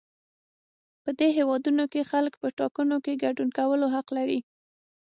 په دې هېوادونو کې خلک په ټاکنو کې ګډون کولو حق لري.